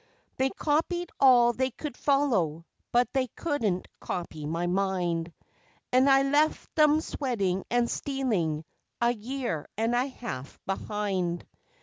They copied all they could follow, but they couldn't copy my mind, And I left 'em sweating and stealing a year and a half behind.